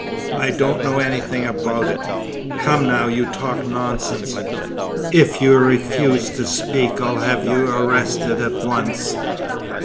"I don't know anything about it." "Come, now, you talk nonsense! If you refuse to speak I'll have you arrested at once."